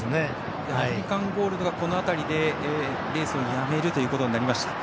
アフリカンゴールドがこの辺りでレースをやめるということになりました。